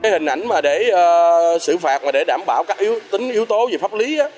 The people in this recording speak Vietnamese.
hình ảnh xử phạt để đảm bảo các yếu tố về pháp lý